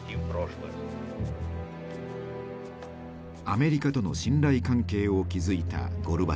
アメリカとの信頼関係を築いたゴルバチョフ。